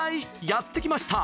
やって来ました！